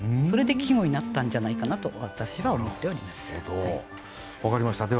それで季語になったんじゃないかなと私は思っております。